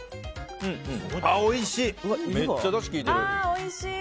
おいしい！